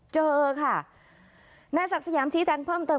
เจอค่ะนายศักดิ์สยามชี้แจงเพิ่มเติม